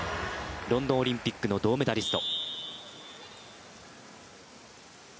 ロンドンオリンピックの銅メダリスト。